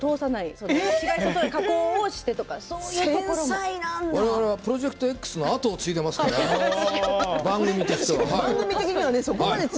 我々は「プロジェクトＸ」の跡を継いでいますから番組としては。